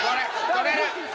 取れる。